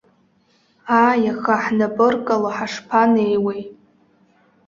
Ааи, аха ҳнапы ыркало ҳашԥанеиуеи.